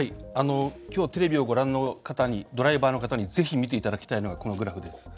きょうテレビをご覧のドライバーの方にぜひ見ていただきたいのがこのグラフです。